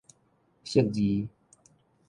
釋字